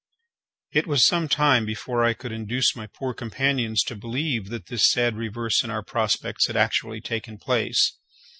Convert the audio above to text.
It was some time before I could induce my poor companions to believe that this sad reverse in our prospects had actually taken place.